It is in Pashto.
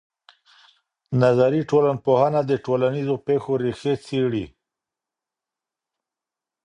نظري ټولنپوهنه د ټولنیزو پېښو ریښې څېړي.